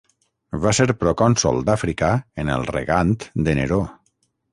Va ser procònsol d'Àfrica en el regant de Neró.